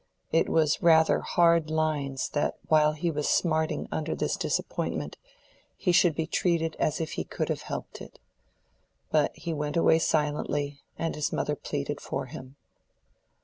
It was "rather hard lines" that while he was smarting under this disappointment he should be treated as if he could have helped it. But he went away silently and his mother pleaded for him.